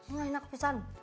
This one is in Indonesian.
ini enak tisan